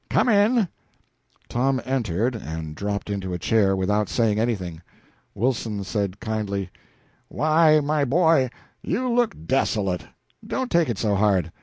"Come in!" Tom entered, and drooped into a chair, without saying anything. Wilson said kindly "Why, my boy, you look desolate. Don't take it so hard.